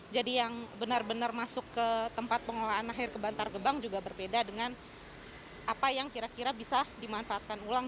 jadi yang benar benar masuk ke tempat pengelolaan akhir ke bantar gebang juga berbeda dengan apa yang kira kira bisa dimanfaatkan ulang